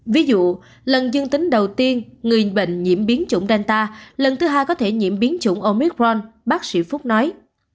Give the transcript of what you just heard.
ví dụ lần dương tính đầu tiên người bệnh nhiễm biến chủng danta lần thứ hai có thể nhiễm biến chủng omicron bác sĩ phúc nói